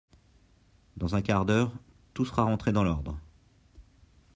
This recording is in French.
Dans un quart d’heure, tout sera rentré dans l’ordre.